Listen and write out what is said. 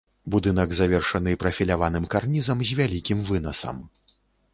Будынак завершаны прафіляваным карнізам з вялікім вынасам.